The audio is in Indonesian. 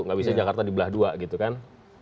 nggak bisa jakarta di belah dua gitu kan